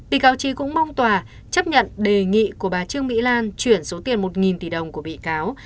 bị cáo trí cũng mong tòa chấp nhận đề nghị của bà trương mỹ lan chuyển số tiền một tỷ đồng của bị cáo